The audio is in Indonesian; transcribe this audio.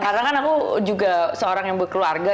karena kan aku juga seorang yang berkeluarga